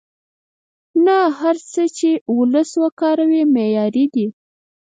نه هر څه چې وولس وکاروي معیاري دي.